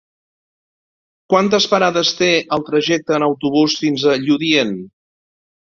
Quantes parades té el trajecte en autobús fins a Lludient?